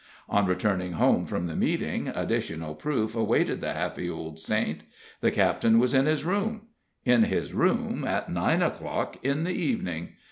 On returning home from the meeting, additional proof awaited the happy old saint. The captain was in his room in his room at nine o'clock in the evening!